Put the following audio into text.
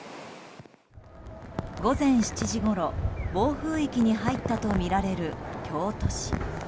午前７時ごろ、暴風域に入ったとみられる京都市。